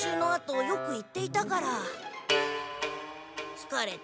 「つかれた。